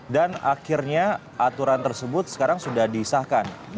dan akhirnya aturan tersebut sekarang sudah disahkan